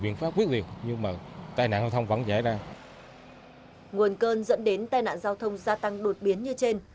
nguồn cơn dẫn đến tai nạn giao thông gia tăng đột biến như trên